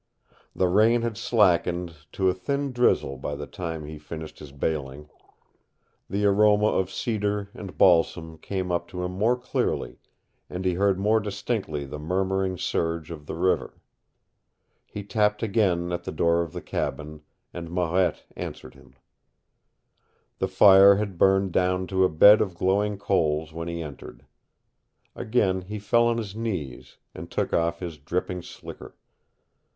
The rain had slackened to a thin drizzle by the time he finished his bailing. The aroma of cedar and balsam came to him more clearly, and he heard more distinctly the murmuring surge of the river. He tapped again at the door of the cabin, and Marette answered him. The fire had burned down to a bed of glowing coals when he entered. Again he fell on his knees, and took off his dripping slicker.